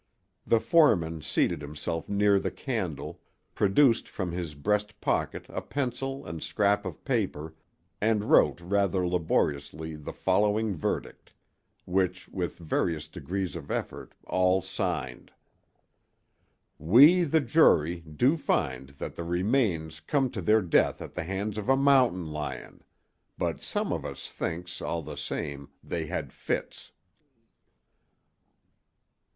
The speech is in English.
The foreman seated himself near the candle, produced from his breast pocket a pencil and scrap of paper and wrote rather laboriously the following verdict, which with various degrees of effort all signed: "We, the jury, do find that the remains come to their death at the hands of a mountain lion, but some of us thinks, all the same, they had fits."